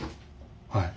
はい。